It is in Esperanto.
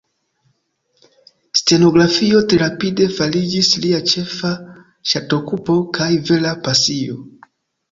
Stenografio tre rapide fariĝis lia ĉefa ŝatokupo kaj vera pasio.